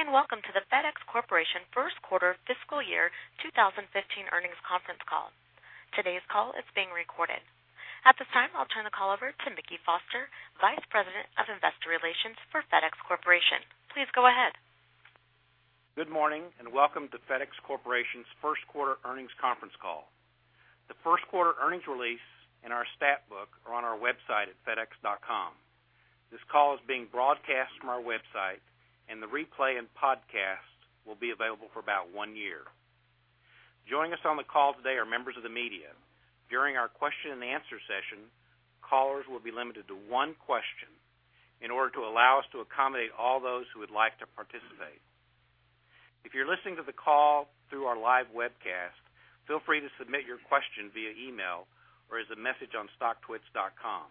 And welcome to the FedEx Corporation first quarter fiscal year 2015 earnings conference call. Today's call is being recorded. At this time, I'll turn the call over to Mickey Foster, Vice President of Investor Relations for FedEx Corporation. Please go ahead. Good morning, and welcome to FedEx Corporation's first quarter earnings conference call. The first quarter earnings release and our stat book are on our website at fedex.com. This call is being broadcast from our website, and the replay and podcast will be available for about one year. Joining us on the call today are members of the media. During our question and answer session, callers will be limited to one question in order to allow us to accommodate all those who would like to participate. If you're listening to the call through our live webcast, feel free to submit your question via email or as a message on stocktwits.com.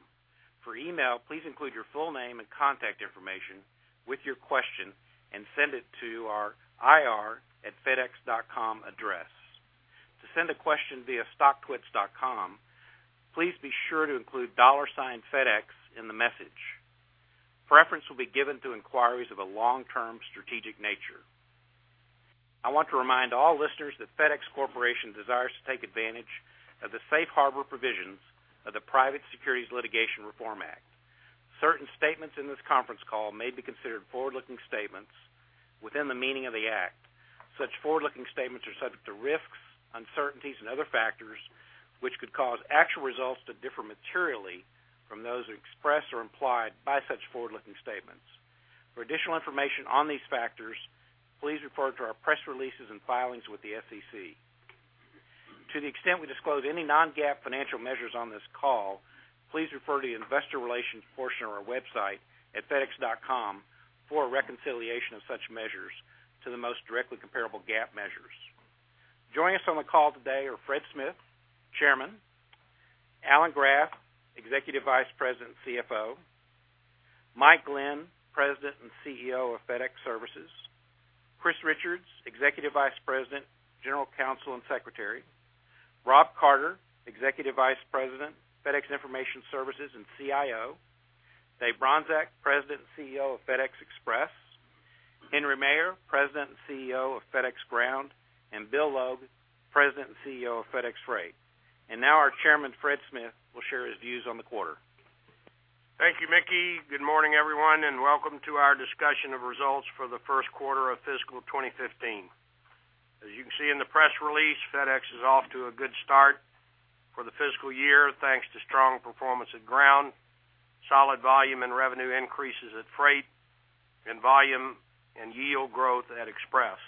For email, please include your full name and contact information with your question and send it to our ir@fedex.com address. To send a question via stocktwits.com, please be sure to include $FedEx in the message. Preference will be given to inquiries of a long-term strategic nature. I want to remind all listeners that FedEx Corporation desires to take advantage of the safe harbor provisions of the Private Securities Litigation Reform Act. Certain statements in this conference call may be considered forward-looking statements within the meaning of the Act. Such forward-looking statements are subject to risks, uncertainties, and other factors, which could cause actual results to differ materially from those expressed or implied by such forward-looking statements. For additional information on these factors, please refer to our press releases and filings with the SEC. To the extent we disclose any non-GAAP financial measures on this call, please refer to the investor relations portion of our website at fedex.com for a reconciliation of such measures to the most directly comparable GAAP measures. Joining us on the call today are Fred Smith, Chairman, Alan Graf, Executive Vice President, CFO, Mike Glenn, President and CEO of FedEx Services, Chris Richards, Executive Vice President, General Counsel, and Secretary, Rob Carter, Executive Vice President, FedEx Information Services, and CIO, Dave Bronczek, President and CEO of FedEx Express, Henry Maier, President and CEO of FedEx Ground, and Bill Logue, President and CEO of FedEx Freight. Now our chairman, Fred Smith, will share his views on the quarter. Thank you, Mickey. Good morning, everyone, and welcome to our discussion of results for the first quarter of fiscal 2015. As you can see in the press release, FedEx is off to a good start for the fiscal year, thanks to strong performance at Ground, solid volume and revenue increases at Freight, and volume and yield growth at Express.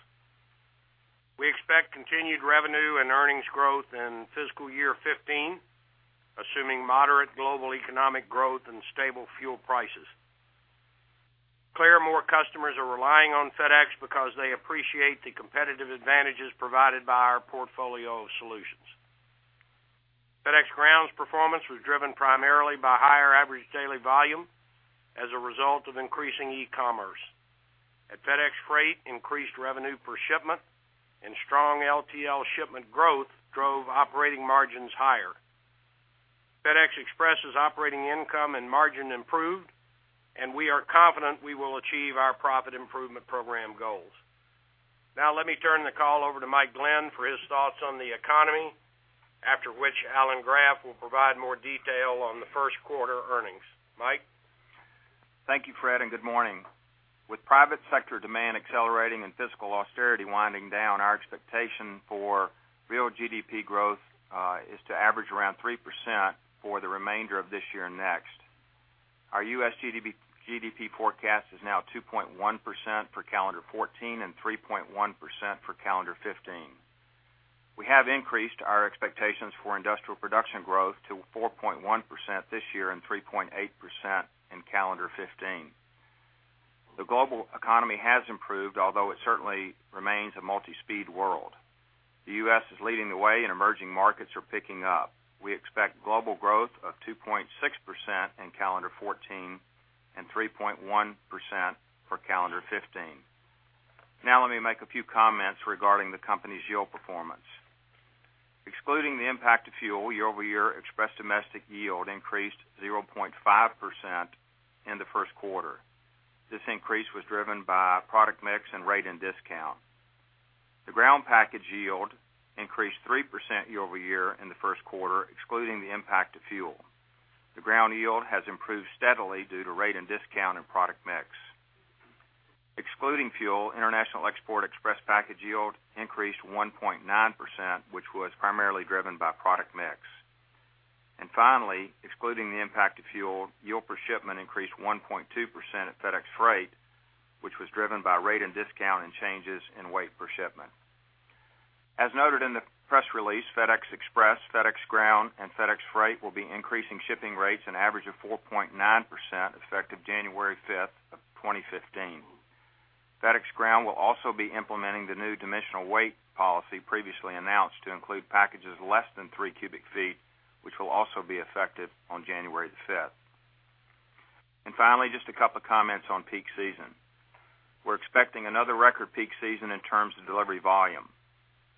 We expect continued revenue and earnings growth in fiscal year 2015, assuming moderate global economic growth and stable fuel prices. Clearly more customers are relying on FedEx because they appreciate the competitive advantages provided by our portfolio of solutions. FedEx Ground's performance was driven primarily by higher average daily volume as a result of increasing e-commerce. At FedEx Freight, increased revenue per shipment and strong LTL shipment growth drove operating margins higher. FedEx Express's operating income and margin improved, and we are confident we will achieve our profit improvement program goals. Now, let me turn the call over to Mike Glenn for his thoughts on the economy, after which Alan Graf will provide more detail on the first quarter earnings. Mike? Thank you, Fred, and good morning. With private sector demand accelerating and fiscal austerity winding down, our expectation for real GDP growth is to average around 3% for the remainder of this year and next. Our U.S. GDP forecast is now 2.1% for calendar 2014 and 3.1% for calendar 2015. We have increased our expectations for industrial production growth to 4.1% this year and 3.8% in calendar 2015. The global economy has improved, although it certainly remains a multi-speed world. The U.S. is leading the way and emerging markets are picking up. We expect global growth of 2.6% in calendar 2014 and 3.1% for calendar 2015. Now, let me make a few comments regarding the company's yield performance. Excluding the impact of fuel, year-over-year Express domestic yield increased 0.5% in the first quarter. This increase was driven by product mix and rate and discount. The Ground package yield increased 3% year-over-year in the first quarter, excluding the impact of fuel. The Ground yield has improved steadily due to rate and discount and product mix. Excluding fuel, international export Express package yield increased 1.9%, which was primarily driven by product mix. And finally, excluding the impact of fuel, yield per shipment increased 1.2% at FedEx Freight, which was driven by rate and discount and changes in weight per shipment. As noted in the press release, FedEx Express, FedEx Ground, and FedEx Freight will be increasing shipping rates an average of 4.9%, effective January 5th of 2015. FedEx Ground will also be implementing the new Dimensional Weight policy previously announced to include packages less than three cubic feet, which will also be effective on January the 5th. Finally, just a couple of comments on peak season. We're expecting another record peak season in terms of delivery volume.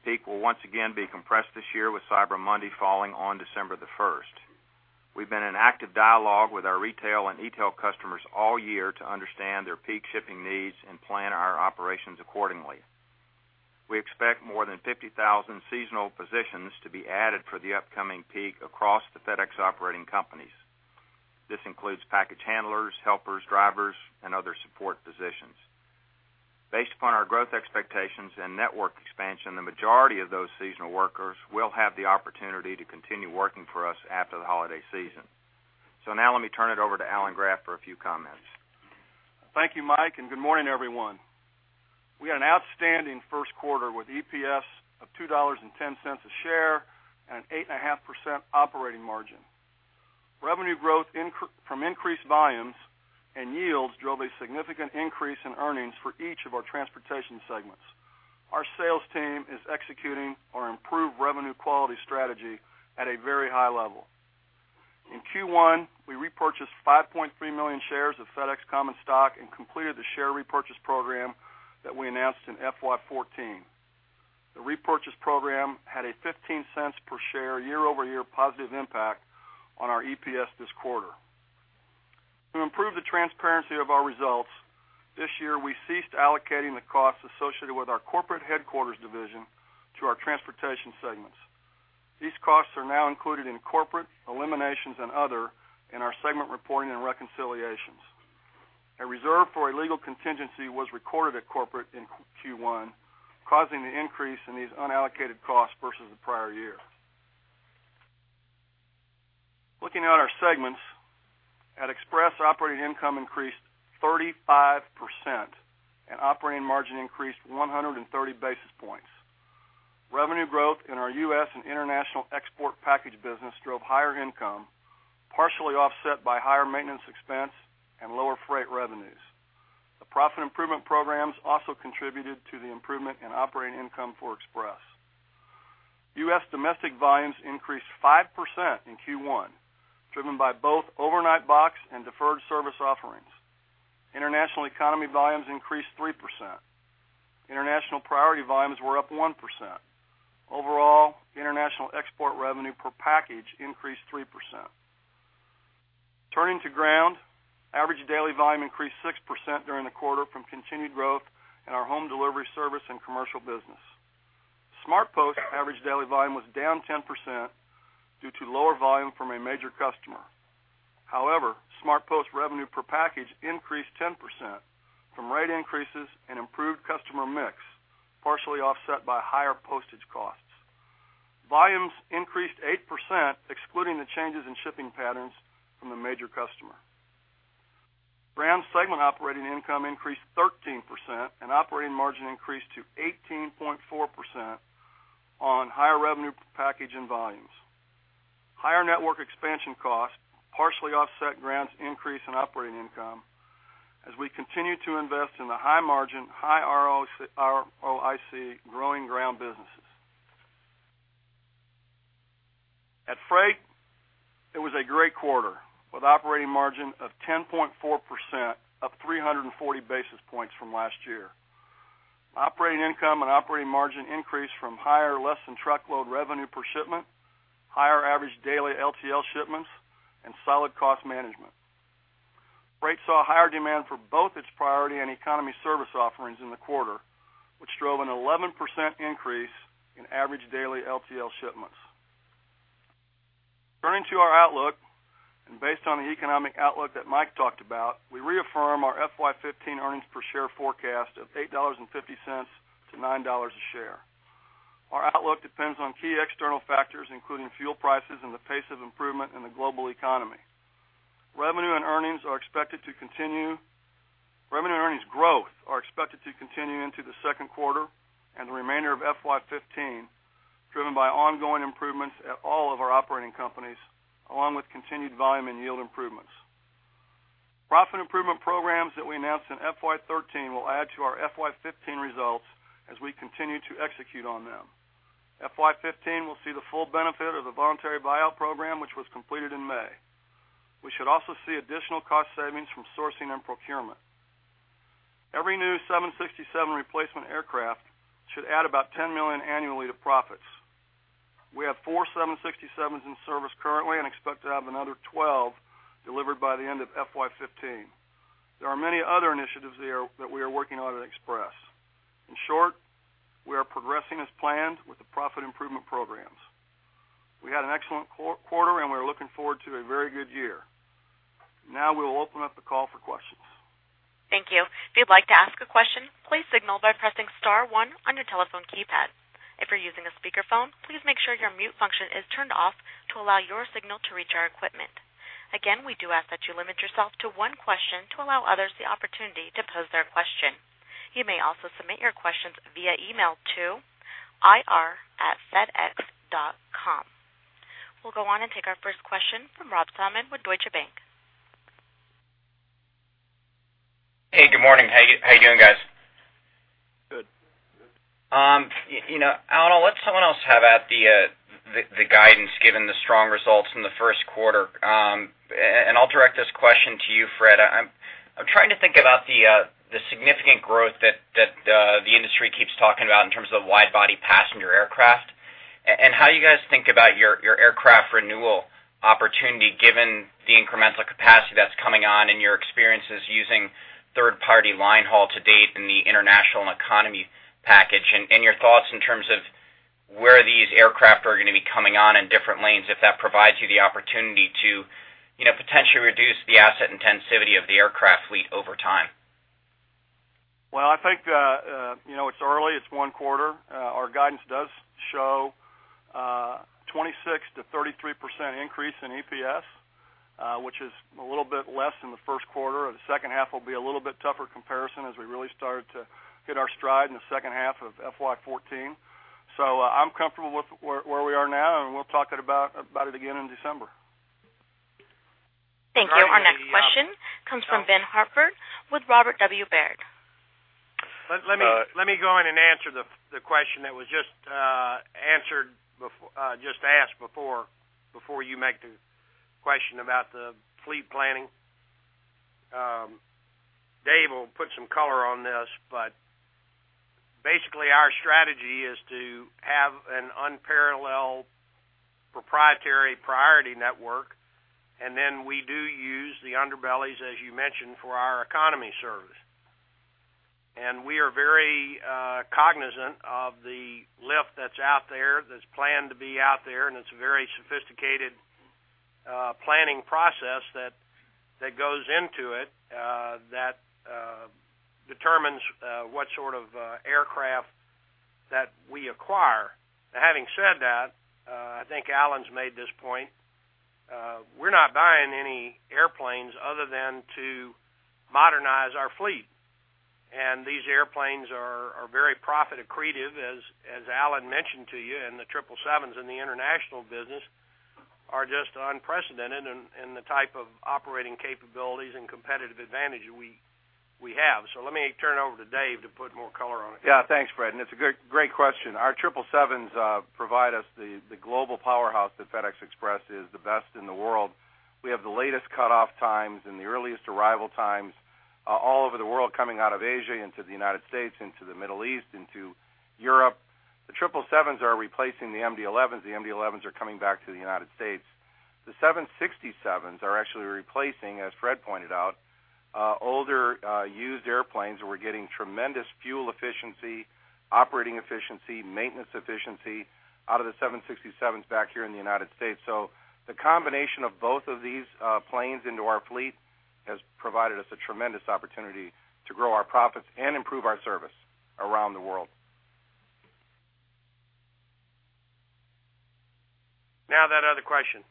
Peak will once again be compressed this year, with Cyber Monday falling on December the 1st. We've been in active dialogue with our retail and e-tail customers all year to understand their peak shipping needs and plan our operations accordingly. We expect more than 50,000 seasonal positions to be added for the upcoming peak across the FedEx operating companies. This includes package handlers, helpers, drivers, and other support positions. Based upon our growth expectations and network expansion, the majority of those seasonal workers will have the opportunity to continue working for us after the holiday season. Now let me turn it over to Alan Graf for a few comments. Thank you, Mike, and good morning, everyone. We had an outstanding first quarter with EPS of $2.10 a share and an 8.5% operating margin. Revenue growth from increased volumes and yields drove a significant increase in earnings for each of our transportation segments. Our sales team is executing our improved revenue quality strategy at a very high level. In Q1, we repurchased 5.3 million shares of FedEx common stock and completed the share repurchase program that we announced in FY 2014. The repurchase program had a $0.15 per share year-over-year positive impact on our EPS this quarter. To improve the transparency of our results, this year, we ceased allocating the costs associated with our corporate headquarters division to our transportation segments. These costs are now included in corporate eliminations and other in our segment reporting and reconciliations. A reserve for a legal contingency was recorded at corporate in Q1, causing an increase in these unallocated costs versus the prior year. Looking at our segments, at Express, operating income increased 35%, and operating margin increased 130 basis points. Revenue growth in our U.S. and international export package business drove higher income, partially offset by higher maintenance expense and lower freight revenues. The profit improvement programs also contributed to the improvement in operating income for Express. U.S. domestic volumes increased 5% in Q1, driven by both overnight box and deferred service offerings. International Economy volumes increased 3%. International priority volumes were up 1%. Overall, international export revenue per package increased 3%. Turning to Ground, average daily volume increased 6% during the quarter from continued growth in our home delivery service and commercial business. SmartPost average daily volume was down 10% due to lower volume from a major customer. However, SmartPost revenue per package increased 10% from rate increases and improved customer mix, partially offset by higher postage costs. Volumes increased 8%, excluding the changes in shipping patterns from the major customer. Ground segment operating income increased 13%, and operating margin increased to 18.4% on higher revenue package and volumes. Higher network expansion costs partially offset Ground's increase in operating income as we continue to invest in the high margin, high ROIC, growing Ground businesses. At Freight, it was a great quarter, with operating margin of 10.4%, up 340 basis points from last year. Operating income and operating margin increased from higher less-than-truckload revenue per shipment, higher average daily LTL shipments, and solid cost management. Freight saw a higher demand for both its priority and economy service offerings in the quarter, which drove an 11% increase in average daily LTL shipments. Turning to our outlook, and based on the economic outlook that Mike talked about, we reaffirm our FY 2015 earnings per share forecast of $8.50-$9 a share. Our outlook depends on key external factors, including fuel prices and the pace of improvement in the global economy. Revenue and earnings growth are expected to continue into the second quarter and the remainder of FY 2015, driven by ongoing improvements at all of our operating companies, along with continued volume and yield improvements. Profit Improvement Programs that we announced in FY 2013 will add to our FY 2015 results as we continue to execute on them. FY 2015 will see the full benefit of the voluntary buyout program, which was completed in May. We should also see additional cost savings from sourcing and procurement. Every new 767 replacement aircraft should add about $10 million annually to profits. We have four 767s in service currently and expect to have another 12 delivered by the end of FY 2015. There are many other initiatives there that we are working on at Express. In short, we are progressing as planned with the profit improvement programs. We had an excellent quarter, and we are looking forward to a very good year. Now, we will open up the call for questions. Thank you. If you'd like to ask a question, please signal by pressing star one on your telephone keypad. If you're using a speakerphone, please make sure your mute function is turned off to allow your signal to reach our equipment. Again, we do ask that you limit yourself to one question to allow others the opportunity to pose their question. You may also submit your questions via email to ir@fedex.com. We'll go on and take our first question from Rob Salmon with Deutsche Bank. Hey, good morning. How you, how you doing, guys? Good. You know, Alan, I'll let someone else have at the guidance, given the strong results in the first quarter. To you, Fred. I'm trying to think about the significant growth that the industry keeps talking about in terms of wide-body passenger aircraft, and how you guys think about your aircraft renewal opportunity, given the incremental capacity that's coming on in your experiences using third-party line haul to date in the international and economy package? And your thoughts in terms of where these aircraft are gonna be coming on in different lanes, if that provides you the opportunity to, you know, potentially reduce the asset intensity of the aircraft fleet over time. Well, I think, you know, it's early, it's one quarter. Our guidance does show, 26%-33% increase in EPS, which is a little bit less than the first quarter. The second half will be a little bit tougher comparison, as we really started to hit our stride in the second half of FY 2014. So, I'm comfortable with where we are now, and we'll talk about it again in December. Thank you. Our next question comes from Ben Hartford with Robert W. Baird. Let, let me Uh Let me go in and answer the, the question that was just answered before, just asked before, before you make the question about the fleet planning. Dave will put some color on this, but basically, our strategy is to have an unparalleled proprietary priority network, and then we do use the underbellies, as you mentioned, for our economy service. And we are very cognizant of the lift that's out there, that's planned to be out there, and it's a very sophisticated planning process that, that goes into it, that determines what sort of aircraft that we acquire. Now, having said that, I think Alan's made this point, we're not buying any airplanes other than to modernize our fleet, and these airplanes are very profit accretive, as Alan mentioned to you, and the 777 in the international business are just unprecedented in the type of operating capabilities and competitive advantage we have. So let me turn it over to Dave to put more color on it. Yeah, thanks, Fred, and it's a good, great question. Our 777 provide us the global powerhouse that FedEx Express is, the best in the world. We have the latest cutoff times and the earliest arrival times all over the world, coming out of Asia into the United States, into the Middle East, into Europe. The 777 are replacing the MD-11s. The MD-11s are coming back to the United States. The 767 are actually replacing, as Fred pointed out, older used airplanes, and we're getting tremendous fuel efficiency, operating efficiency, maintenance efficiency out of the 767 back here in the United States. So the combination of both of these planes into our fleet has provided us a tremendous opportunity to grow our profits and improve our service around the world. Now, that other question.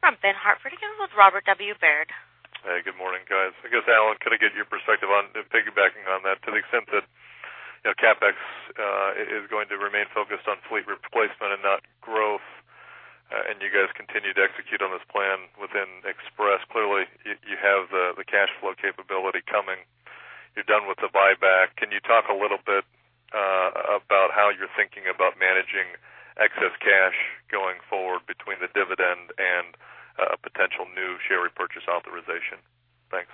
From Ben Hartford, again, with Robert W. Baird. Hey, good morning, guys. I guess, Alan, could I get your perspective on, piggybacking on that, to the extent that, you know, CapEx is going to remain focused on fleet replacement and not growth, and you guys continue to execute on this plan within Express. Clearly, you have the cash flow capability coming. You're done with the buyback. Can you talk a little bit about how you're thinking about managing excess cash going forward between the dividend and a potential new share repurchase authorization? Thanks.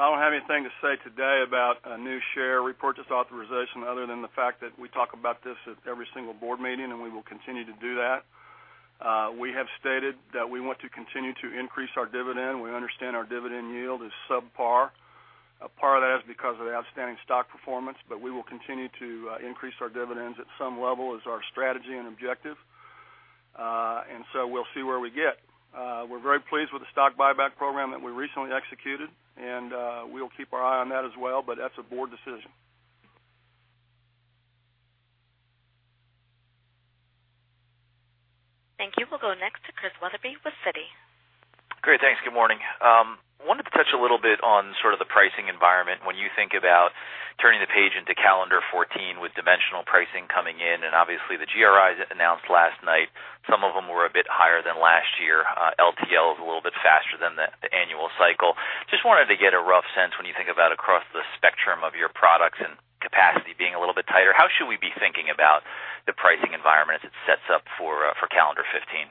I don't have anything to say today about a new share repurchase authorization, other than the fact that we talk about this at every single board meeting, and we will continue to do that. We have stated that we want to continue to increase our dividend. We understand our dividend yield is subpar. A part of that is because of the outstanding stock performance, but we will continue to increase our dividends at some level, is our strategy and objective. And so we'll see where we get. We're very pleased with the stock buyback program that we recently executed, and we'll keep our eye on that as well, but that's a board decision. Thank you. We'll go next to Chris Weatherby with Citi. Great. Thanks, good morning. Wanted to touch a little bit on sort of the pricing environment when you think about turning the page into calendar 2014 with dimensional pricing coming in, and obviously, the GRIs announced last night, some of them were a bit higher than last year. LTL is a little bit faster than the annual cycle. Just wanted to get a rough sense, when you think about across the spectrum of your products and capacity being a little bit tighter, how should we be thinking about the pricing environment as it sets up for, for calendar 2015?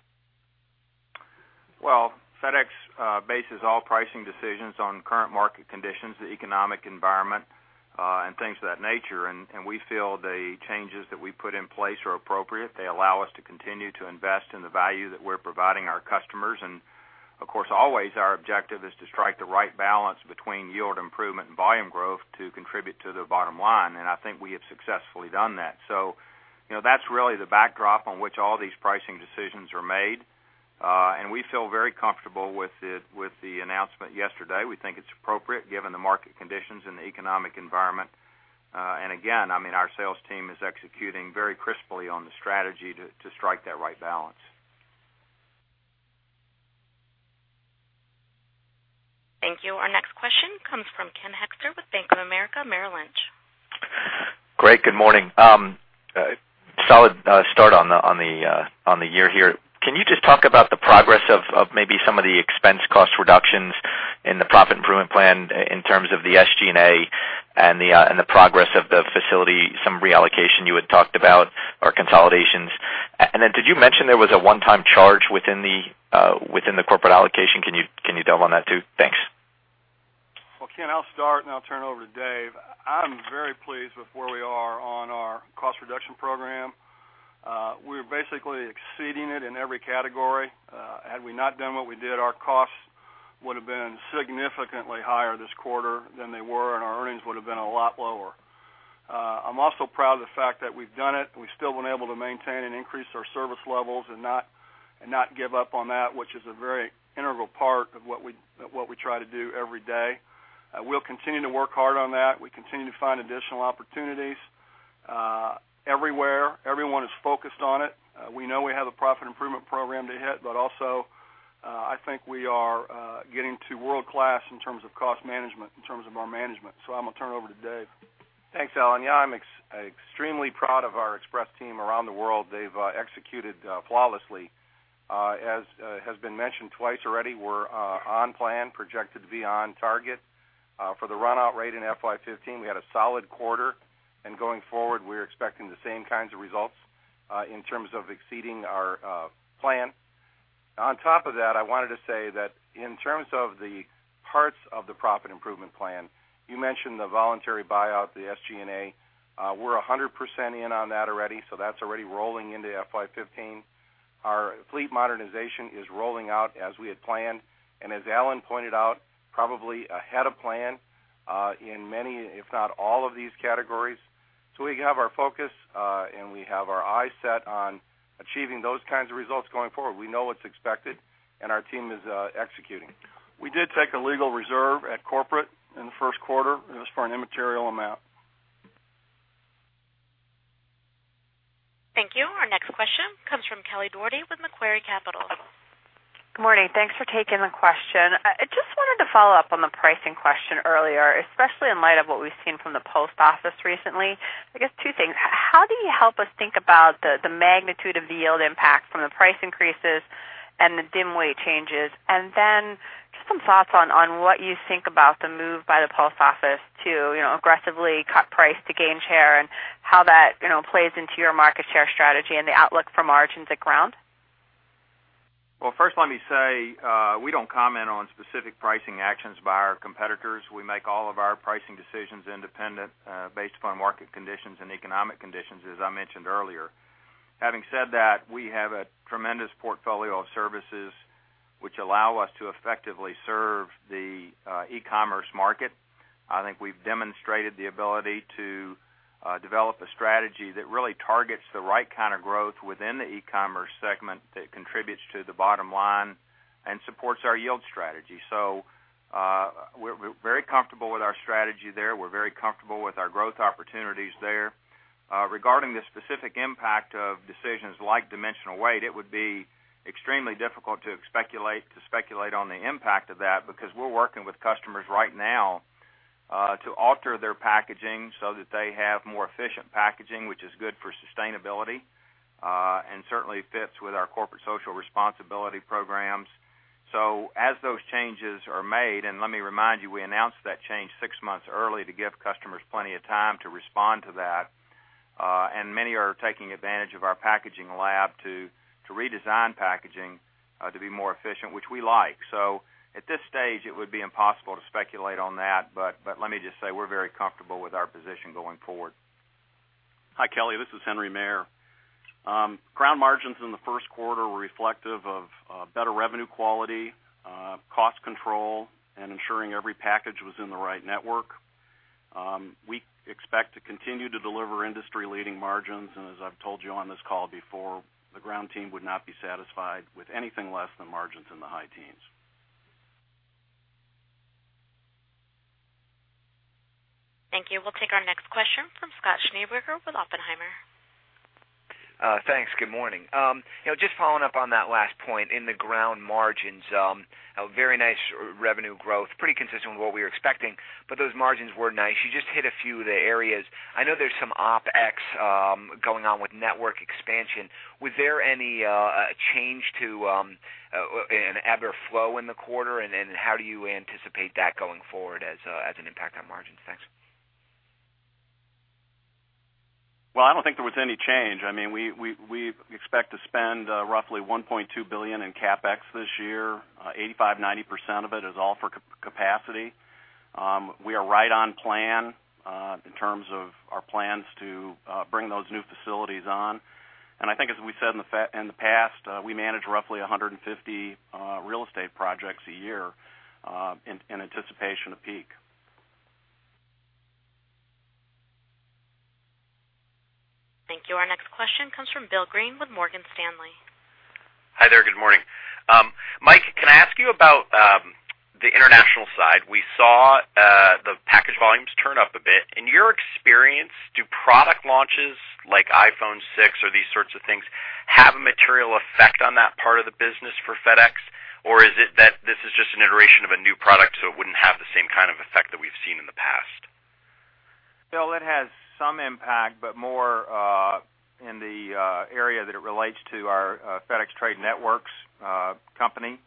Well, FedEx bases all pricing decisions on current market conditions, the economic environment, and things of that nature, and we feel the changes that we put in place are appropriate. They allow us to continue to invest in the value that we're providing our customers. And of course, always, our objective is to strike the right balance between yield improvement and volume growth to contribute to the bottom line, and I think we have successfully done that. So you know, that's really the backdrop on which all these pricing decisions are made, and we feel very comfortable with it, with the announcement yesterday. We think it's appropriate, given the market conditions and the economic environment. And again, I mean, our sales team is executing very crisply on the strategy to strike that right balance. Thank you. Our next question comes from Ken Hoexter with Bank of America Merrill Lynch. Great, good morning. Solid start on the year here. Can you just talk about the progress of maybe some of the expense cost reductions in the profit improvement plan, in terms of the SG&A and the progress of the facility, some reallocation you had talked about or consolidations? And then did you mention there was a one-time charge within the, within the corporate allocation? Can you, can you delve on that, too? Thanks. Well, Ken, I'll start, and I'll turn it over to Dave. I'm very pleased with where we are on our cost reduction program. We're basically exceeding it in every category. Had we not done what we did, our costs would have been significantly higher this quarter than they were, and our earnings would have been a lot lower. I'm also proud of the fact that we've done it, and we still been able to maintain and increase our service levels and not, and not give up on that, which is a very integral part of what we, what we try to do every day. We'll continue to work hard on that. We continue to find additional opportunities, everywhere. Everyone is focused on it. We know we have a Profit Improvement Program to hit, but also, I think we are getting to world-class in terms of cost management, in terms of our management. So I'm going to turn it over to Dave. Thanks, Alan. Yeah, I'm extremely proud of our Express team around the world. They've executed flawlessly. As has been mentioned twice already, we're on plan, projected to be on target for the run out rate in FY 2015. We had a solid quarter, and going forward, we're expecting the same kinds of results in terms of exceeding our plan. On top of that, I wanted to say that in terms of the parts of the profit improvement plan, you mentioned the voluntary buyout, the SG&A. We're 100% in on that already, so that's already rolling into FY 2015. Our fleet modernization is rolling out as we had planned, and as Alan pointed out, probably ahead of plan in many, if not all, of these categories. So we have our focus, and we have our eyes set on achieving those kinds of results going forward. We know what's expected, and our team is executing. We did take a legal reserve at corporate in the first quarter, and it was for an immaterial amount. Thank you. Our next question comes from Kelly Dougherty with Macquarie Capital. Good morning. Thanks for taking the question. I just wanted to follow up on the pricing question earlier, especially in light of what we've seen from the Post Office recently. I guess two things: How do you help us think about the magnitude of the yield impact from the price increases and the dim weight changes? And then just some thoughts on what you think about the move by the Post Office to, you know, aggressively cut price to gain share and how that, you know, plays into your market share strategy and the outlook for margins at Ground? Well, first let me say, we don't comment on specific pricing actions by our competitors. We make all of our pricing decisions independent, based upon market conditions and economic conditions, as I mentioned earlier. Having said that, we have a tremendous portfolio of services which allow us to effectively serve the e-commerce market. I think we've demonstrated the ability to develop a strategy that really targets the right kind of growth within the e-commerce segment that contributes to the bottom line and supports our yield strategy. So, we're very comfortable with our strategy there. We're very comfortable with our growth opportunities there. Regarding the specific impact of decisions like Dimensional Weight, it would be extremely difficult to speculate on the impact of that, because we're working with customers right now to alter their packaging so that they have more efficient packaging, which is good for sustainability and certainly fits with our corporate social responsibility programs. So as those changes are made, and let me remind you, we announced that change six months early to give customers plenty of time to respond to that. And many are taking advantage of our packaging lab to redesign packaging to be more efficient, which we like. So at this stage, it would be impossible to speculate on that, but let me just say, we're very comfortable with our position going forward. Hi, Kelly, this is Henry Maier. Ground margins in the first quarter were reflective of better revenue quality, cost control, and ensuring every package was in the right network. We expect to continue to deliver industry-leading margins, and as I've told you on this call before, the Ground team would not be satisfied with anything less than margins in the high teens. Thank you. We'll take our next question from Scott Schneeberger with Oppenheimer. Thanks. Good morning. You know, just following up on that last point in the Ground margins, a very nice revenue growth, pretty consistent with what we were expecting, but those margins were nice. You just hit a few of the areas. I know there's some OpEx going on with network expansion. Was there any change in ebb and flow in the quarter? And how do you anticipate that going forward as an impact on margins? Thanks. Well, I don't think there was any change. I mean, we expect to spend roughly $1.2 billion in CapEx this year. 85%-90% of it is all for capacity. We are right on plan in terms of our plans to bring those new facilities on. And I think as we said in the past, we manage roughly 150 real estate projects a year, in anticipation of peak. Thank you. Our next question comes from Bill Greene with Morgan Stanley. Hi there, good morning. Mike, can I ask you about the international side? We saw the package volumes turn up a bit. In your experience, do product launches like iPhone 6 or these sorts of things have a material effect on that part of the business for FedEx? Or is it that this is just an iteration of a new product, so it wouldn't have the same kind of effect that we've seen in the past? Bill, it has some impact, but more in the area that it relates to our FedEx Trade Networks company.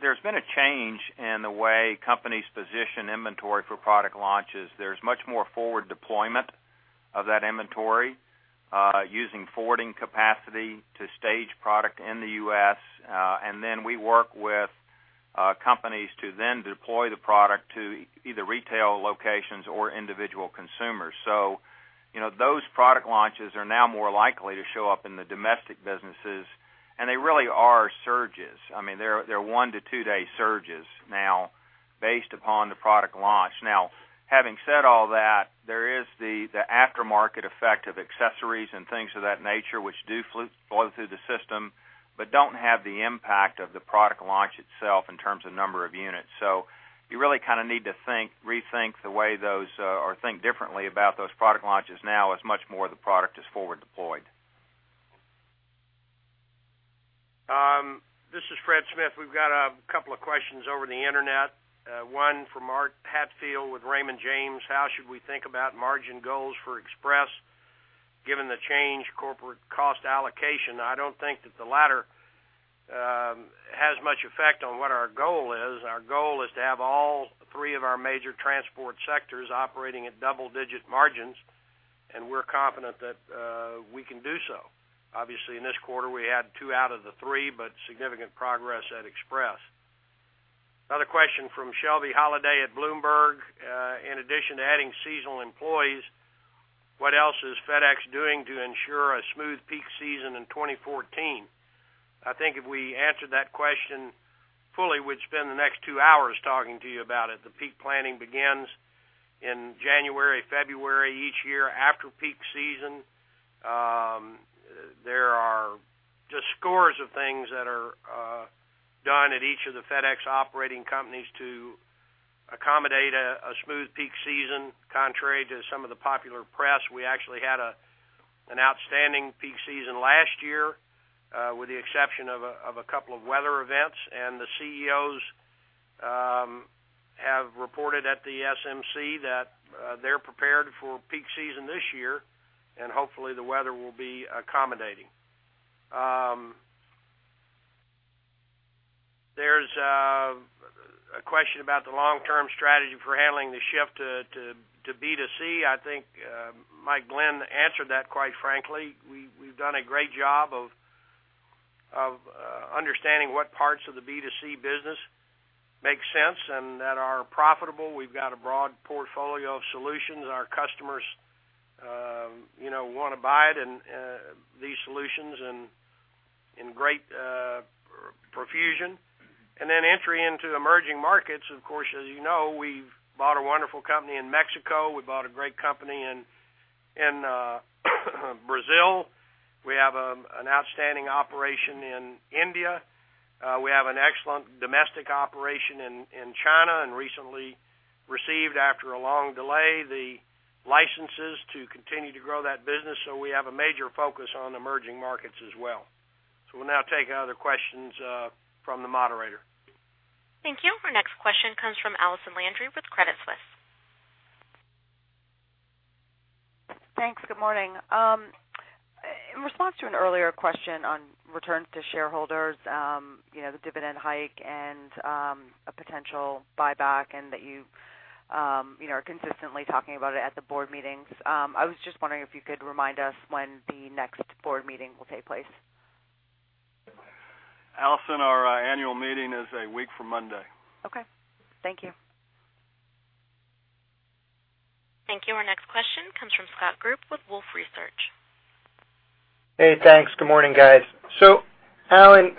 There's been a change in the way companies position inventory for product launches. There's much more forward deployment of that inventory, using forwarding capacity to stage product in the U.S., and then we work with companies to then deploy the product to either retail locations or individual consumers. So, you know, those product launches are now more likely to show up in the domestic businesses, and they really are surges. I mean, they're one-to-two-day surges now based upon the product launch. Now, having said all that, there is the aftermarket effect of accessories and things of that nature, which do flow through the system, but don't have the impact of the product launch itself in terms of number of units. So you really kind of need to think, rethink the way those, or think differently about those product launches now, as much more of the product is forward deployed. This is Fred Smith. We've got a couple of questions over the internet. One from Art Hatfield with Raymond James, "How should we think about margin goals for Express, given the changed corporate cost allocation?" I don't think that the latter has much effect on what our goal is. Our goal is to have all three of our major transport sectors operating at double-digit margins, and we're confident that we can do so. Obviously, in this quarter, we had two out of the three, but significant progress at Express. Another question from Shelby Holliday at Bloomberg, "In addition to adding seasonal employees, what else is FedEx doing to ensure a smooth peak season in 2014?" I think if we answered that question fully, we'd spend the next two hours talking to you about it. The peak planning begins in January, February each year after peak season. There are just scores of things that are done at each of the FedEx operating companies to accommodate a smooth peak season. Contrary to some of the popular press, we actually had an outstanding peak season last year, with the exception of a couple of weather events, and the CEOs have reported at the SMC that they're prepared for peak season this year, and hopefully, the weather will be accommodating. There's a question about the long-term strategy for handling the shift to B2C. I think Mike Glenn answered that, quite frankly. We've done a great job of understanding what parts of the B2C business make sense and that are profitable. We've got a broad portfolio of solutions. Our customers, you know, wanna buy it and these solutions in great profusion. Then entry into emerging markets, of course, as you know, we've bought a wonderful company in Mexico. We bought a great company in Brazil. We have an outstanding operation in India. We have an excellent domestic operation in China, and recently received, after a long delay, the licenses to continue to grow that business. So we have a major focus on emerging markets as well. So we'll now take other questions from the moderator. Thank you. Our next question comes from Allison Landry with Credit Suisse. Thanks. Good morning. In response to an earlier question on returns to shareholders, you know, the dividend hike and, a potential buyback, and that you, you know, are consistently talking about it at the board meetings, I was just wondering if you could remind us when the next board meeting will take place? Allison, our annual meeting is a week from Monday. Okay. Thank you. Thank you. Our next question comes from Scott Group with Wolfe Research. Hey, thanks. Good morning, guys. So, Alan,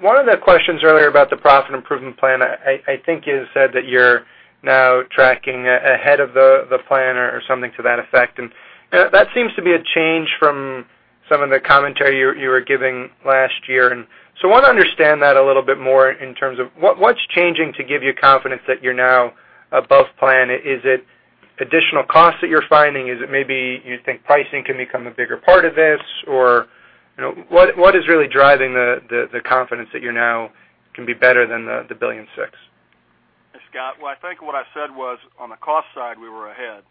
one of the questions earlier about the profit improvement plan, I think you had said that you're now tracking ahead of the plan or something to that effect. And that seems to be a change from some of the commentary you were giving last year. And so I wanna understand that a little bit more in terms of what's changing to give you confidence that you're now above plan? Is it additional costs that you're finding? Is it maybe you think pricing can become a bigger part of this? Or, you know, what is really driving the confidence that you now can be better than the $1.6 billion? Hey, Scott. Well, I think what I said was, on the cost side, we were ahead.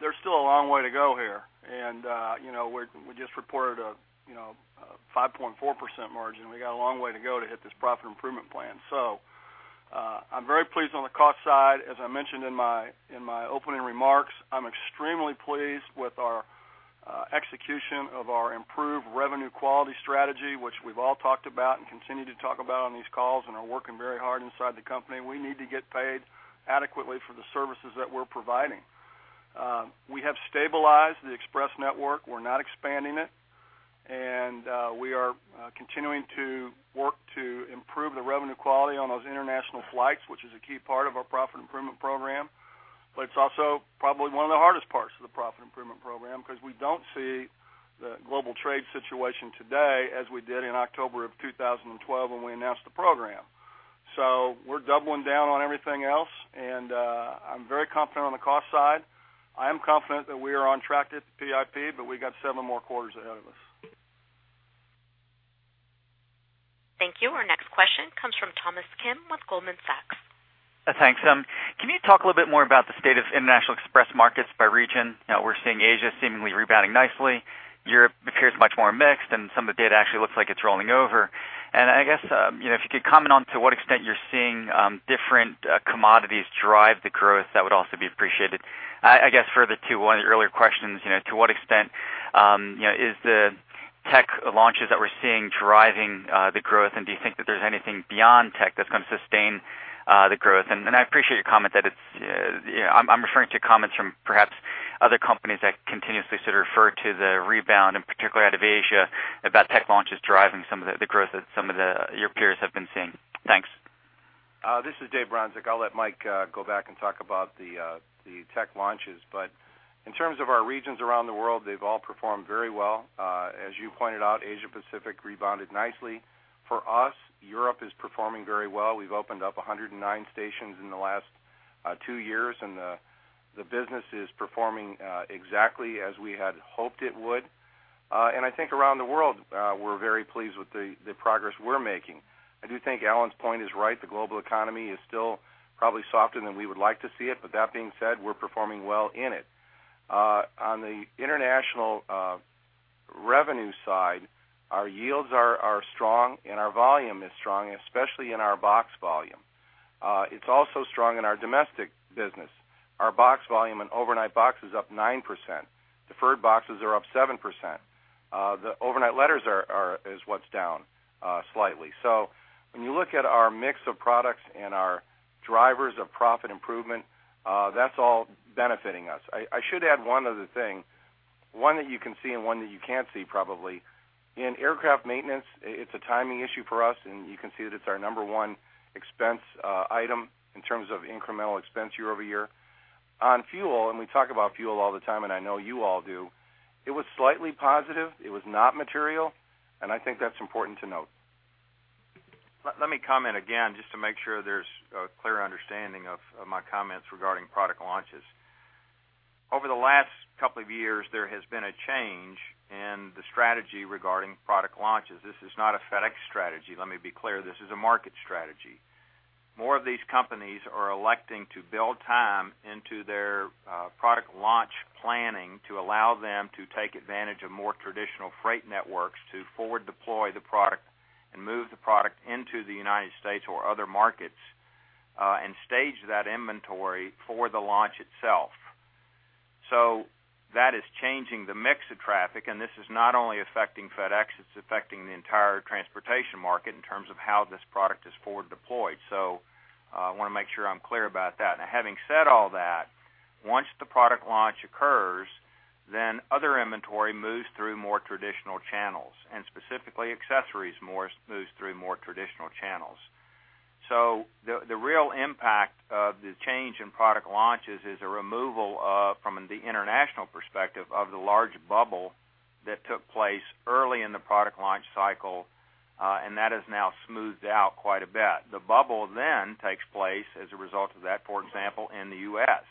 There's still a long way to go here, and, you know, we're we just reported a, you know, a 5.4% margin. We got a long way to go to hit this profit improvement plan. So, I'm very pleased on the cost side. As I mentioned in my, in my opening remarks, I'm extremely pleased with our execution of our improved revenue quality strategy, which we've all talked about and continue to talk about on these calls and are working very hard inside the company. We need to get paid adequately for the services that we're providing. We have stabilized the Express network. We're not expanding it, and we are continuing to work to improve the revenue quality on those international flights, which is a key part of our profit improvement program. But it's also probably one of the hardest parts of the profit improvement program, 'cause we don't see the global trade situation today as we did in October of 2012 when we announced the program. So we're doubling down on everything else, and I'm very confident on the cost side. I am confident that we are on track with the PIP, but we got seven more quarters ahead of us. Thank you. Our next question from Thomas Kim with Goldman Sachs. Thanks. Can you talk a little bit more about the state of international express markets by region? You know, we're seeing Asia seemingly rebounding nicely. Europe appears much more mixed, and some of the data actually looks like it's rolling over. And I guess, you know, if you could comment on to what extent you're seeing different commodities drive the growth, that would also be appreciated. I guess, further to one of the earlier questions, you know, to what extent, you know, is the tech launches that we're seeing driving the growth? And do you think that there's anything beyond tech that's gonna sustain the growth? And I appreciate your comment that it's. I'm referring to comments from perhaps other companies that continuously sort of refer to the rebound, and particularly out of Asia, about tech launches driving some of the growth that some of your peers have been seeing. Thanks. This is Dave Bronczek. I'll let Mike go back and talk about the tech launches. But in terms of our regions around the world, they've all performed very well. As you pointed out, Asia Pacific rebounded nicely. For us, Europe is performing very well. We've opened up 109 stations in the last two years, and the business is performing exactly as we had hoped it would. And I think around the world, we're very pleased with the progress we're making. I do think Alan's point is right. The global economy is still probably softer than we would like to see it, but that being said, we're performing well in it. On the international revenue side, our yields are strong, and our volume is strong, especially in our box volume. It's also strong in our domestic business. Our box volume and overnight box is up 9%. Deferred boxes are up 7%. The overnight letters is what's down slightly. So when you look at our mix of products and our drivers of profit improvement, that's all benefiting us. I should add one other thing, one that you can see and one that you can't see, probably. In aircraft maintenance, it's a timing issue for us, and you can see that it's our number one expense, item in terms of incremental expense year-over-year. On fuel, and we talk about fuel all the time, and I know you all do, it was slightly positive, it was not material, and I think that's important to note. Let me comment again, just to make sure there's a clear understanding of my comments regarding product launches. Over the last couple of years, there has been a change in the strategy regarding product launches. This is not a FedEx strategy, let me be clear, this is a market strategy. More of these companies are electing to build time into their product launch planning, to allow them to take advantage of more traditional freight networks to forward deploy the product and move the product into the United States or other markets, and stage that inventory for the launch itself. So that is changing the mix of traffic, and this is not only affecting FedEx, it's affecting the entire transportation market in terms of how this product is forward deployed. So, I wanna make sure I'm clear about that. Now, having said all that, once the product launch occurs, then other inventory moves through more traditional channels, and specifically accessories more, moves through more traditional channels. So the real impact of the change in product launches is a removal of, from the international perspective, of the large bubble that took place early in the product launch cycle, and that has now smoothed out quite a bit. The bubble then takes place as a result of that, for example, in the U.S.,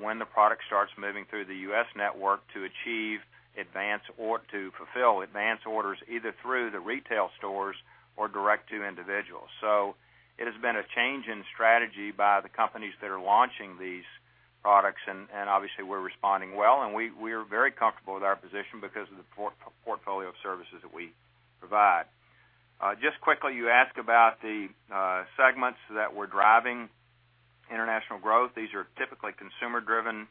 when the product starts moving through the U.S. network to achieve advance or to fulfill advance orders, either through the retail stores or direct to individuals. So it has been a change in strategy by the companies that are launching these products, and obviously we're responding well, and we're very comfortable with our position because of the portfolio of services that we provide. Just quickly, you asked about the segments that were driving international growth. These are typically consumer-driven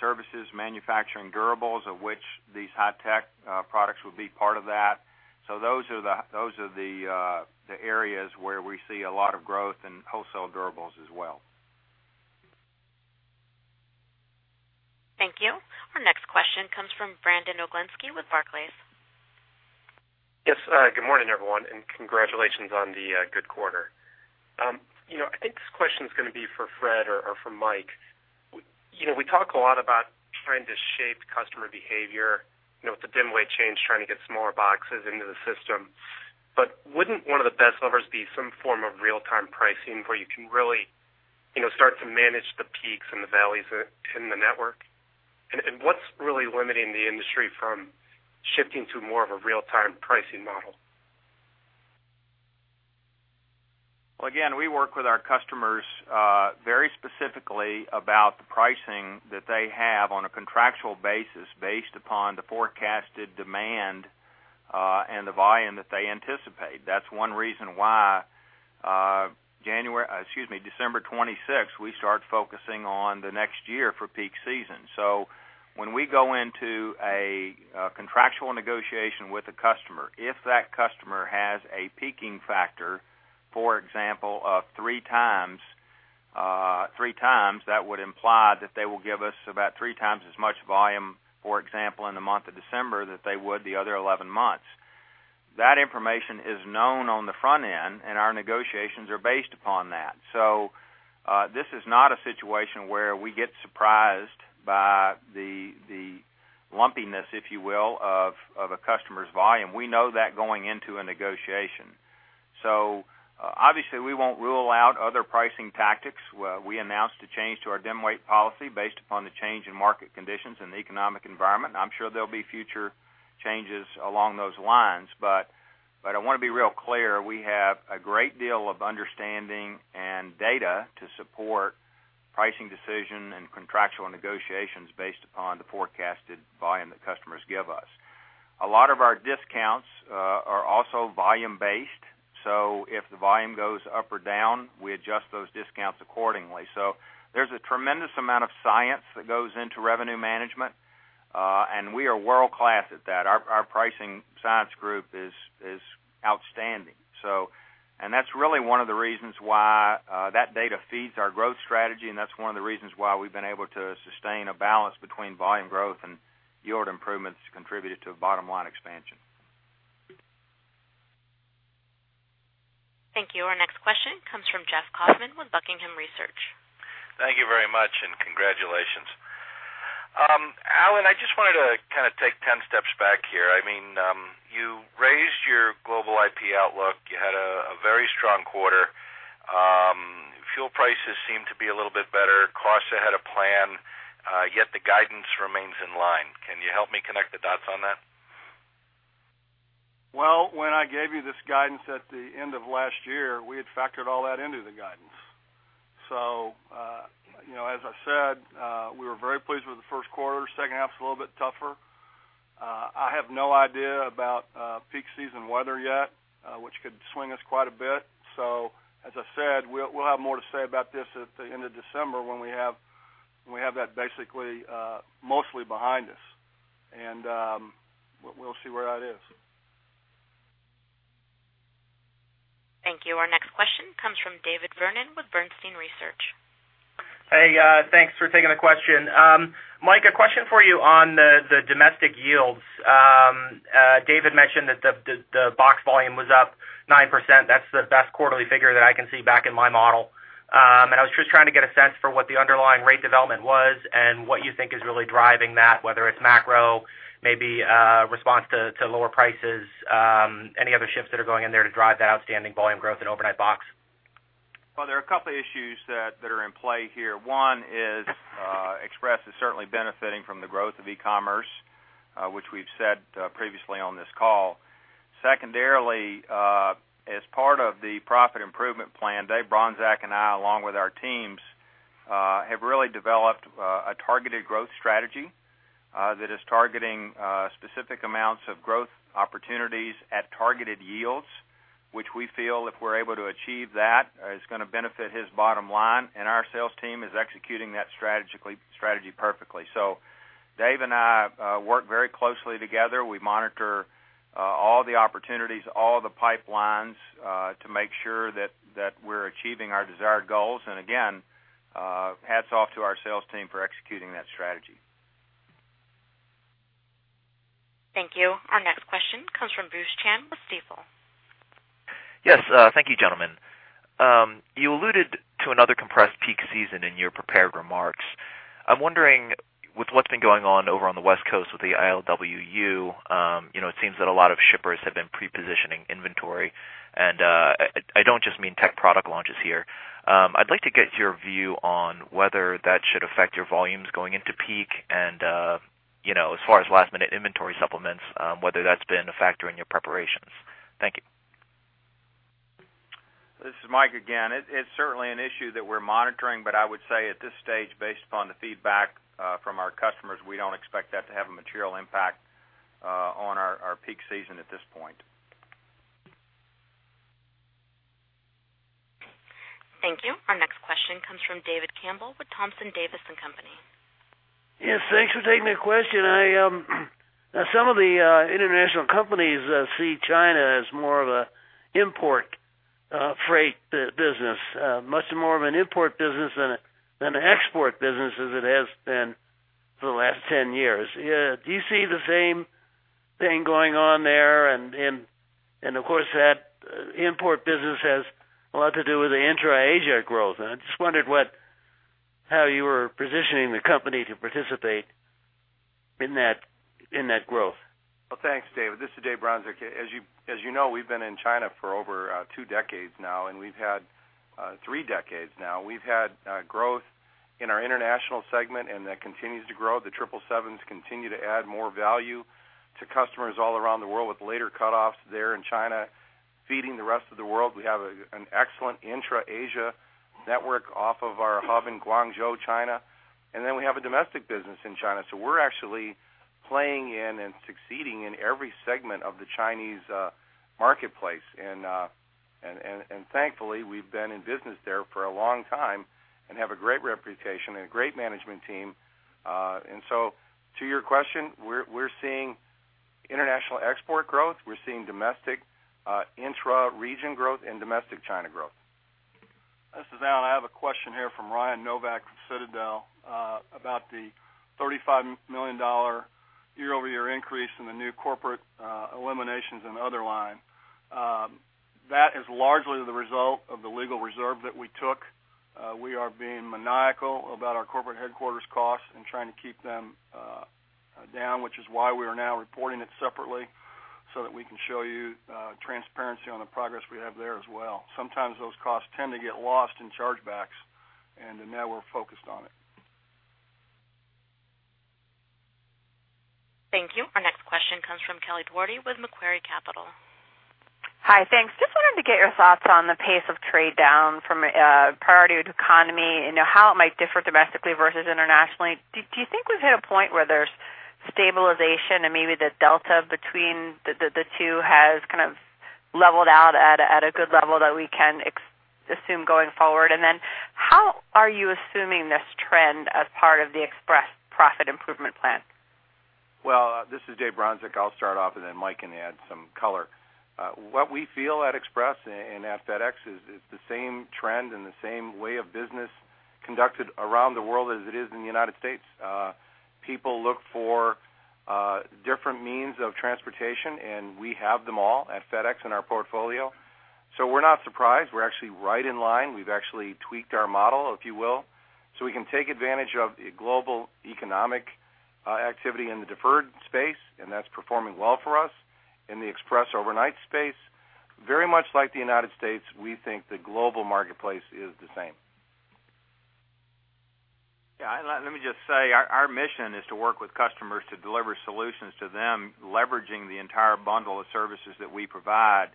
services, manufacturing durables, of which these high-tech products would be part of that. So those are the areas where we see a lot of growth in wholesale durables as well. Thank you. Our next question comes from Brandon Oglenski with Barclays. Yes, good morning, everyone, and congratulations on the good quarter. You know, I think this question is gonna be for Fred or for Mike. You know, we talk a lot about trying to shape customer behavior, you know, with the dim weight change, trying to get smaller boxes into the system, but wouldn't one of the best levers be some form of real-time pricing, where you can really, you know, start to manage the peaks and the valleys in the network? And what's really limiting the industry from shifting to more of a real-time pricing model? Well, again, we work with our customers very specifically about the pricing that they have on a contractual basis, based upon the forecasted demand and the volume that they anticipate. That's one reason why January, excuse me, December 26th, we start focusing on the next year for peak season. So when we go into a contractual negotiation with a customer, if that customer has a peaking factor, for example, of three times three times, that would imply that they will give us about three times as much volume, for example, in the month of December, than they would the other eleven months. That information is known on the front end, and our negotiations are based upon that. So this is not a situation where we get surprised by the lumpiness, if you will, of a customer's volume. We know that going into a negotiation. So, obviously we won't rule out other pricing tactics. We announced a change to our dim weight policy based upon the change in market conditions and the economic environment, and I'm sure there'll be future changes along those lines. But I want to be real clear, we have a great deal of understanding and data to support pricing decision and contractual negotiations based upon the forecasted volume that customers give us. A lot of our discounts are also volume-based, so if the volume goes up or down, we adjust those discounts accordingly. So there's a tremendous amount of science that goes into revenue management, and we are world-class at that. Our pricing science group is outstanding. That's really one of the reasons why that data feeds our growth strategy, and that's one of the reasons why we've been able to sustain a balance between volume growth and yield improvements contributed to a bottom line expansion. Thank you. Our next question comes from Jeff Kauffman with Buckingham Research. Thank you very much, and congratulations. Alan, I just wanted to kind of take ten steps back here. I mean, you raised your global EPS outlook. You had a very strong quarter. Fuel prices seem to be a little bit better. Costs ahead of plan, yet the guidance remains in line. Can you help me connect the dots on that? Well, when I gave you this guidance at the end of last year, we had factored all that into the guidance. So, you know, as I said, we were very pleased with the first quarter. Second half's a little bit tougher. I have no idea about peak season weather yet, which could swing us quite a bit. So as I said, we'll have more to say about this at the end of December when we have that basically mostly behind us. And, we'll see where that is. Thank you. Our next question comes from David Vernon with Bernstein Research. Hey, thanks for taking the question. Mike, a question for you on the domestic yields. David mentioned that the box volume was up 9%. That's the best quarterly figure that I can see back in my model. And I was just trying to get a sense for what the underlying rate development was and what you think is really driving that, whether it's macro, maybe, response to lower prices, any other shifts that are going in there to drive that outstanding volume growth in overnight box? Well, there are a couple issues that are in play here. One is, Express is certainly benefiting from the growth of e-commerce, which we've said previously on this call. Secondarily, as part of the profit improvement plan, Dave Bronczek and I, along with our teams, have really developed a targeted growth strategy that is targeting specific amounts of growth opportunities at targeted yields, which we feel if we're able to achieve that is gonna benefit his bottom line, and our sales team is executing that strategically- strategy perfectly. So Dave and I work very closely together. We monitor all the opportunities, all the pipelines to make sure that we're achieving our desired goals. And again, hats off to our sales team for executing that strategy. Thank you. Our next question comes from Bruce Chan with Stifel. Yes, thank you, gentlemen. You alluded to another compressed peak season in your prepared remarks. I'm wondering, with what's been going on over on the West Coast with the ILWU, you know, it seems that a lot of shippers have been pre-positioning inventory, and I don't just mean tech product launches here. I'd like to get your view on whether that should affect your volumes going into peak and, you know, as far as last-minute inventory supplements, whether that's been a factor in your preparations. Thank you. This is Mike again. It's certainly an issue that we're monitoring, but I would say at this stage, based upon the feedback from our customers, we don't expect that to have a material impact on our peak season at this point. Thank you. Our next question comes from David Campbell with Thompson Davis and Company. Yes, thanks for taking the question. I now some of the international companies see China as more of an import freight business. Much more of an import business than an export business as it has been for the last 10 years. Do you see the same thing going on there? And of course, that import business has a lot to do with the intra-Asia growth, and I just wondered what, how you were positioning the company to participate in that growth. Well, thanks, David. This is Dave Bronczek. As you know, we've been in China for over two decades now, and we've had three decades now. We've had growth in our international segment, and that continues to grow. The 777 continue to add more value to customers all around the world, with later cutoffs there in China, feeding the rest of the world. We have an excellent intra-Asia network off of our hub in Guangzhou, China, and then we have a domestic business in China, so we're actually playing in and succeeding in every segment of the Chinese marketplace. And thankfully, we've been in business there for a long time and have a great reputation and a great management team. And so to your question, we're seeing international export growth, we're seeing domestic, intra-region growth and domestic China growth. This is Alan. I have a question here from Ryan Novak, from Citadel, about the $35 million year-over-year increase in the new corporate eliminations and other line. That is largely the result of the legal reserve that we took. We are being maniacal about our corporate headquarters costs and trying to keep them down, which is why we are now reporting it separately. so that we can show you, transparency on the progress we have there as well. Sometimes those costs tend to get lost in chargebacks, and now we're focused on it. Thank you. Our next question comes from Kelly Dougherty with Macquarie Capital. Hi, thanks. Just wanted to get your thoughts on the pace of trade down from Priority to Economy, and how it might differ domestically versus internationally. Do you think we've hit a point where there's stabilization and maybe the delta between the two has kind of leveled out at a good level that we can assume going forward? And then how are you assuming this trend as part of the Express profit improvement plan? Well, this is Dave Bronczek. I'll start off, and then Mike can add some color. What we feel at Express and at FedEx is the same trend and the same way of business conducted around the world as it is in the United States. People look for different means of transportation, and we have them all at FedEx in our portfolio. So we're not surprised; we're actually right in line. We've actually tweaked our model, if you will, so we can take advantage of the global economic activity in the deferred space, and that's performing well for us. In the Express overnight space, very much like the United States, we think the global marketplace is the same. Yeah, let me just say, our mission is to work with customers to deliver solutions to them, leveraging the entire bundle of services that we provide,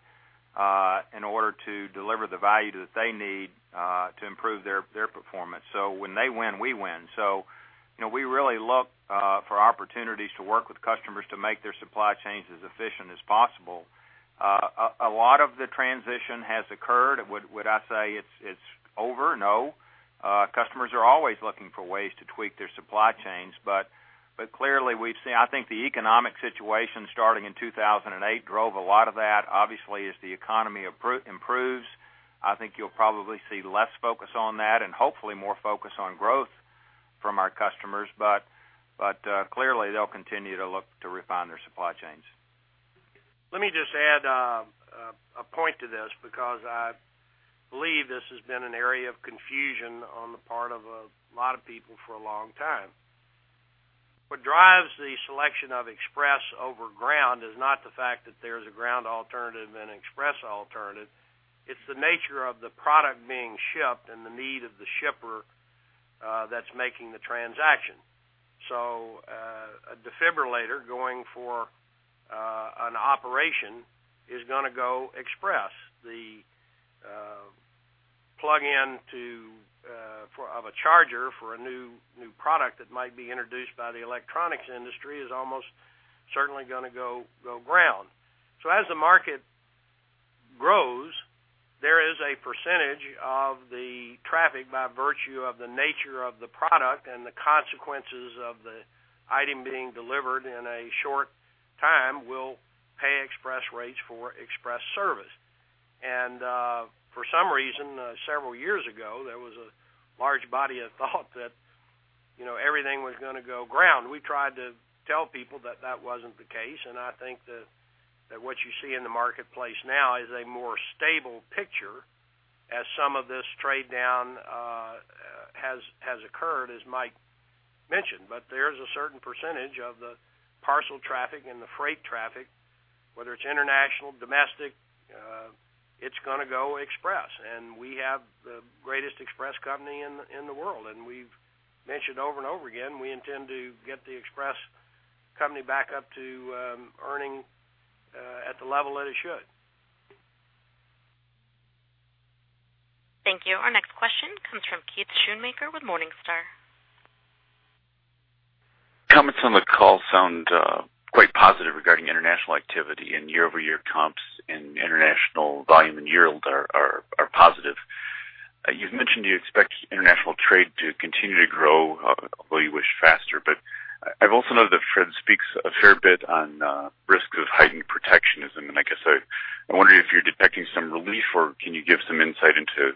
in order to deliver the value that they need, to improve their performance. So when they win, we win. So you know, we really look for opportunities to work with customers to make their supply chains as efficient as possible. A lot of the transition has occurred. Would I say it's over? No. Customers are always looking for ways to tweak their supply chains, but clearly, we've seen, I think the economic situation starting in 2008 drove a lot of that. Obviously, as the economy improves, I think you'll probably see less focus on that and hopefully more focus on growth from our customers. But clearly, they'll continue to look to refine their supply chains. Let me just add a point to this because I believe this has been an area of confusion on the part of a lot of people for a long time. What drives the selection of Express over Ground is not the fact that there's a Ground alternative and an Express alternative. It's the nature of the product being shipped and the need of the shipper that's making the transaction. So, a defibrillator going for an operation is gonna go Express. The plug-in for a charger for a new product that might be introduced by the electronics industry is almost certainly gonna go Ground. So as the market grows, there is a percentage of the traffic by virtue of the nature of the product and the consequences of the item being delivered in a short time will pay Express rates for Express service. And, for some reason, several years ago, there was a large body of thought that, you know, everything was gonna go Ground. We tried to tell people that that wasn't the case, and I think that, that what you see in the marketplace now is a more stable picture as some of this trade down has occurred, as Mike mentioned. But there's a certain percentage of the parcel traffic and the freight traffic, whether it's international, domestic, it's gonna go Express. We have the greatest Express company in the world, and we've mentioned over and over again, we intend to get the Express company back up to earning at the level that it should. Thank you. Our next question comes from Keith Schoonmaker with Morningstar. Comments on the call sound quite positive regarding international activity, and year-over-year comps and international volume and yield are positive. You've mentioned you expect international trade to continue to grow, although you wish faster. But I've also noted that Fred speaks a fair bit on risk of heightened protectionism. And I guess, I'm wondering if you're detecting some relief, or can you give some insight into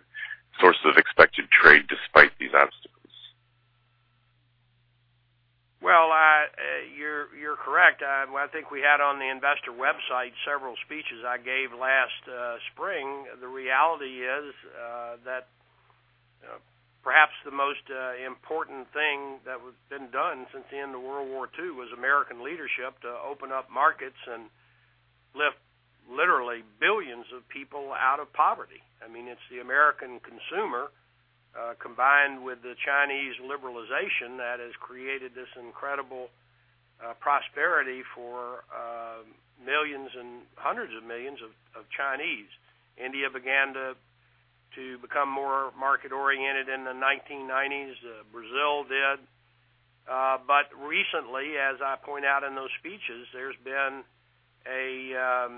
sources of expected trade despite these obstacles? Well, you're correct. I think we had on the investor website several speeches I gave last spring. The reality is that perhaps the most important thing that has been done since the end of World War II was American leadership to open up markets and lift literally billions of people out of poverty. I mean, it's the American consumer combined with the Chinese liberalization that has created this incredible prosperity for millions and hundreds of millions of Chinese. India began to become more market-oriented in the 1990s, Brazil did. But recently, as I point out in those speeches, there's been a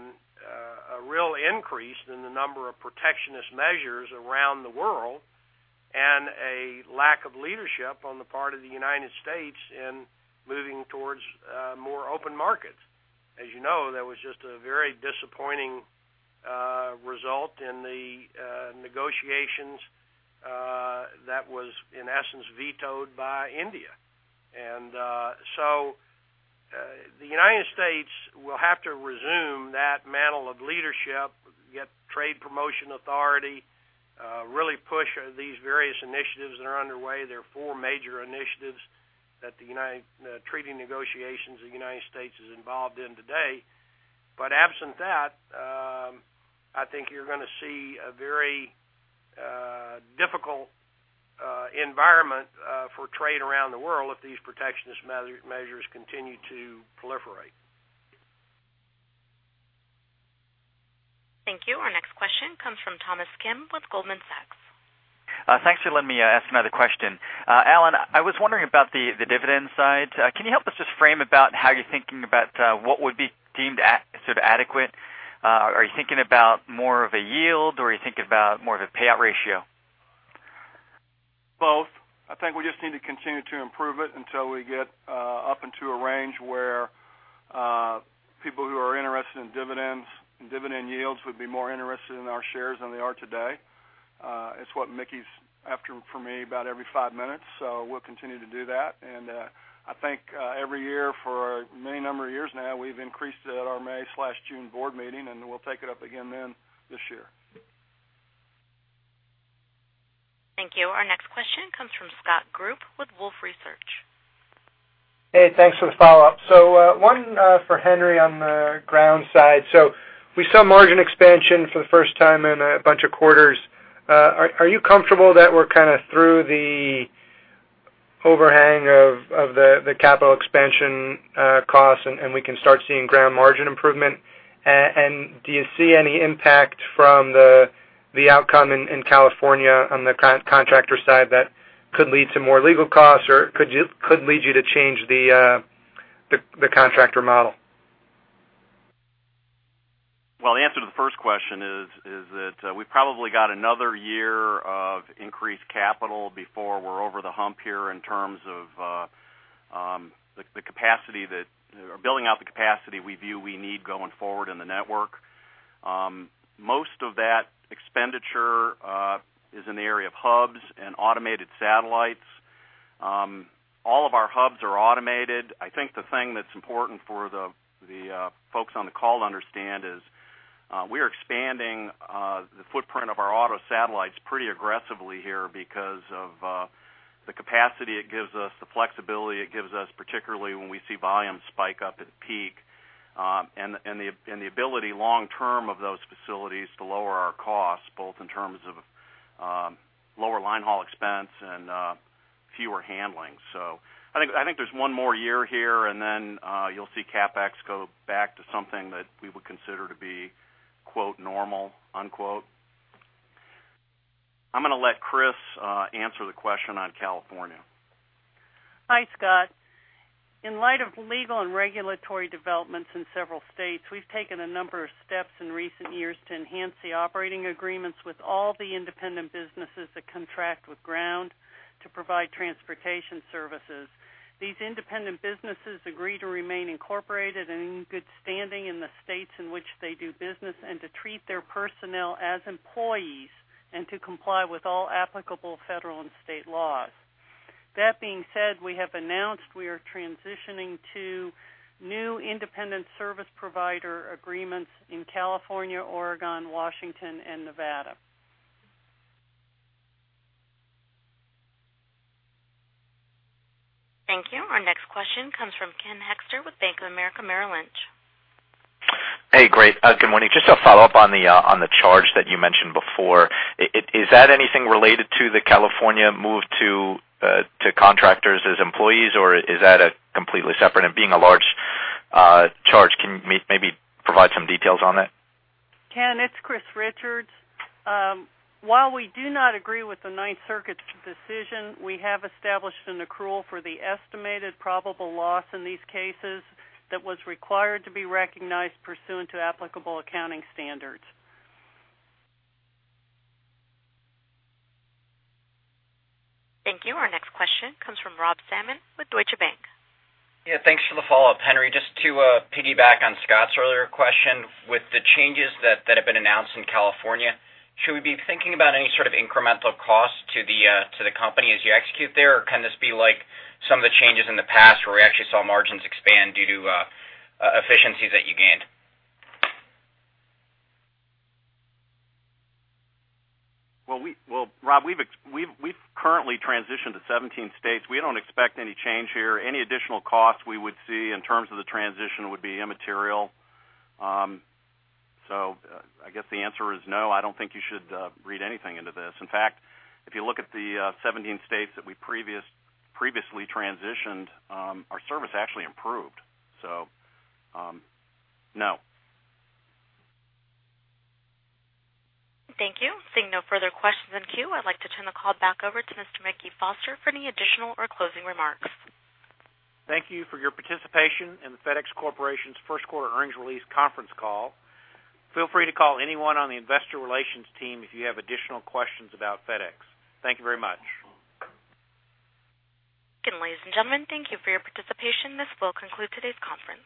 real increase in the number of protectionist measures around the world and a lack of leadership on the part of the United States in moving towards more open markets. As you know, there was just a very disappointing result in the negotiations that was, in essence, vetoed by India. And so the United States will have to resume that mantle of leadership, get trade promotion authority. Really push these various initiatives that are underway. There are four major initiatives: treaty negotiations that the United States is involved in today. But absent that, I think you're gonna see a very difficult environment for trade around the world if these protectionist measures continue to proliferate. Thank you. Our next question comes from Thomas Kim with Goldman Sachs. Thanks for letting me ask another question. Alan, I was wondering about the dividend side. Can you help us just frame about how you're thinking about what would be deemed a sort of adequate? Are you thinking about more of a yield, or are you thinking about more of a payout ratio? Both. I think we just need to continue to improve it until we get up into a range where people who are interested in dividends and dividend yields would be more interested in our shares than they are today. It's what Mickey's after for me about every five minutes, so we'll continue to do that. And I think every year for a many number of years now, we've increased it at our May/June board meeting, and we'll take it up again then this year. Thank you. Our next question comes from Scott Group with Wolfe Research. Hey, thanks for the follow-up. So, one for Henry on the ground side. So we saw margin expansion for the first time in a bunch of quarters. Are you comfortable that we're kind of through the overhang of the capital expansion costs, and we can start seeing ground margin improvement? And do you see any impact from the outcome in California on the contractor side that could lead to more legal costs, or could lead you to change the contractor model? Well, the answer to the first question is that we've probably got another year of increased capital before we're over the hump here in terms of the capacity or building out the capacity we view we need going forward in the network. Most of that expenditure is in the area of hubs and automated satellites. All of our hubs are automated. I think the thing that's important for the folks on the call to understand is, we are expanding the footprint of our auto satellites pretty aggressively here because of the capacity it gives us, the flexibility it gives us, particularly when we see volume spike up at peak, and the ability long term of those facilities to lower our costs, both in terms of lower line haul expense and fewer handling. So I think there's one more year here, and then you'll see CapEx go back to something that we would consider to be, quote, normal, unquote. I'm gonna let Chris answer the question on California. Hi, Scott. In light of legal and regulatory developments in several states, we've taken a number of steps in recent years to enhance the operating agreements with all the independent businesses that contract with Ground to provide transportation services. These independent businesses agree to remain incorporated and in good standing in the states in which they do business, and to treat their personnel as employees, and to comply with all applicable federal and state laws. That being said, we have announced we are transitioning to new independent service provider agreements in California, Oregon, Washington, and Nevada. Thank you. Our next question comes from Ken Hoexter with Bank of America Merrill Lynch. Hey, great. Good morning. Just a follow-up on the charge that you mentioned before. Is that anything related to the California move to contractors as employees, or is that a completely separate? And being a large charge, can maybe provide some details on that? Ken, it's Chris Richards. While we do not agree with the Ninth Circuit's decision, we have established an accrual for the estimated probable loss in these cases that was required to be recognized pursuant to applicable accounting standards. Thank you. Our next question comes from Rob Salmon with Deutsche Bank. Yeah, thanks for the follow-up, Henry. Just to piggyback on Scott's earlier question. With the changes that have been announced in California, should we be thinking about any sort of incremental cost to the company as you execute there? Or can this be like some of the changes in the past where we actually saw margins expand due to efficiencies that you gained? Well, Rob, we've currently transitioned to 17 states. We don't expect any change here. Any additional costs we would see in terms of the transition would be immaterial. So, I guess the answer is no, I don't think you should read anything into this. In fact, if you look at the 17 states that we previously transitioned, our service actually improved. So, no. Thank you. Seeing no further questions in queue, I'd like to turn the call back over to Mr. Mickey Foster for any additional or closing remarks. Thank you for your participation in the FedEx Corporation's first quarter earnings release conference call. Feel free to call anyone on the investor relations team if you have additional questions about FedEx. Thank you very much. Ladies and gentlemen, thank you for your participation. This will conclude today's conference.